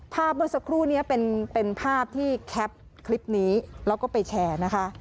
เมื่อสักครู่นี้เป็นภาพที่แคปคลิปนี้แล้วก็ไปแชร์นะคะ